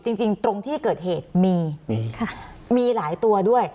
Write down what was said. จริงตรงที่เกิดเหตุมีค่ะมีหลายตัวด้วย